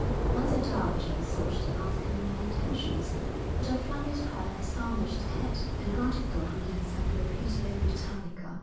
Once a dowager sought to ask me my intentions, but I flung at her astonished head an article from the Encyclopedia Brittanica.